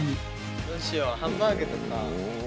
どうしようハンバーグとか。